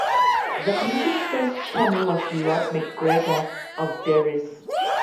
The Commission's first chairman was Lord McGregor of Durris.